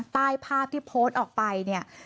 ใต้ภาพที่โพสต์ออกไป